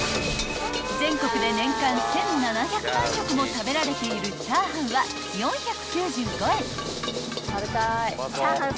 ［全国で年間１，７００万食も食べられている炒飯は４９５円］